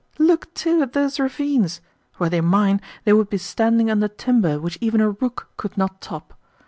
Look, too, at those ravines! Were they mine, they would be standing under timber which even a rook could not top.